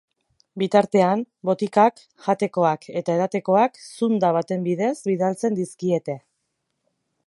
Bitartean, botikak, jatekoak eta edatekoak zunda baten bidez bidaltzen dizkiete.